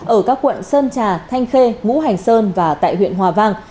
ở các quận sơn trà thanh khê ngũ hành sơn và tại huyện hòa vang